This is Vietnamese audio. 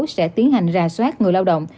sẽ tiến hành rà soát người lao động